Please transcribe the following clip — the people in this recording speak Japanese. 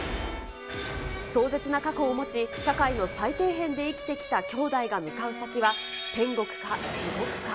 壮絶な過去を持ち、社会の最底辺で生きてきたきょうだいが向かう先は、天国か地獄か。